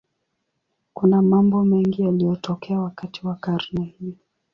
Kuna mambo mengi yaliyotokea wakati wa karne hii.